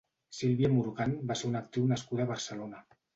Silvia Morgan va ser una actriu nascuda a Barcelona.